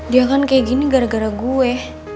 dia kan kayak gini gara gara gue